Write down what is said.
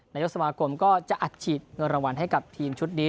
นายกสมาคมก็จะอัดฉีดเงินรางวัลให้กับทีมชุดนี้